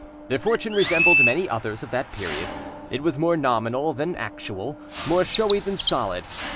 Their fortune resembled many others of that period: it was more nominal than actual, more showy than solid.